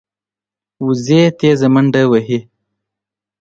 وزې تېزه منډه وهي